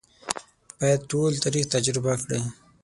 باید ټول تاریخ تجربه کړي.